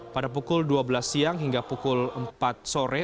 pada pukul dua belas siang hingga pukul empat sore